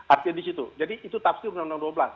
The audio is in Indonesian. artinya disitu jadi itu tafsir uu dua belas dua ribu sebelas